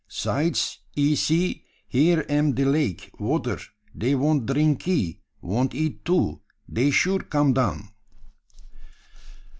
'Sides, ee see, here am de lake water dey want drinkee want eat too. Dey sure come down."